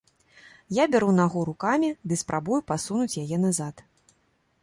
Я бяру нагу рукамі ды спрабую пасунуць яе назад.